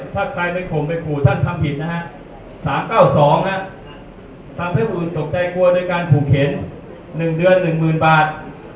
ถ้าใครไปข่มไปขู่ท่านทำผิดนะฮะ๓๙๒ทำให้ผู้อื่นตกใจกลัวในการขู่เข็น๑เดือน๑๐๐๐บาท